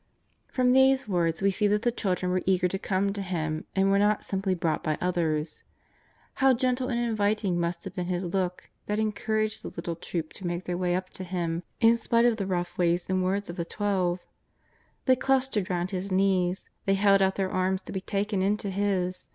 From these words we see that the children were eager to come to Him, and were not simply brought by others. How gentle and inviting must have been His look, that encouraged the little troop to make their way up to Him in spite of the rough ways and words of the Twelve ! They clustered round His knees. They held out their arms to be taken into His.